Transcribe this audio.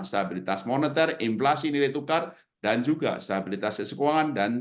stabilitas moneter inflasi nilai tukar dan juga stabilitas keuangan dan